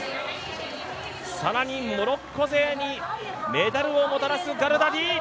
更にモロッコ勢にメダルをもたらすガルダディ！